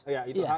iya itu hak